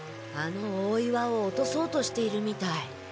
あの大岩を落とそうとしているみたい。